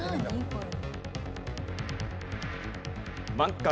これ。